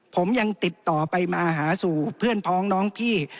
ผมยังติดต่อไปมาหาสู่เพื่อนพ้องน้องพี่